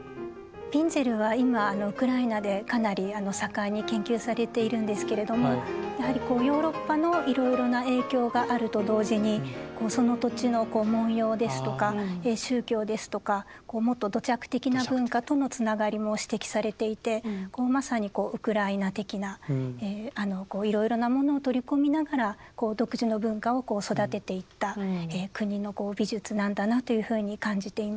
ピンゼルは今ウクライナでかなり盛んに研究されているんですけれどもやはりヨーロッパのいろいろな影響があると同時にその土地の文様ですとか宗教ですとかこうもっと土着的な文化とのつながりも指摘されていてまさにウクライナ的ないろいろなものを取り込みながら独自の文化を育てていった国の美術なんだなというふうに感じています。